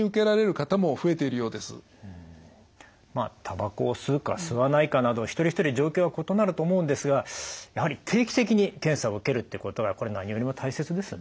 たばこを吸うか吸わないかなど一人一人状況は異なると思うんですがやはり定期的に検査を受けるっていうことがこれ何よりも大切ですよね。